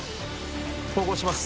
縫合します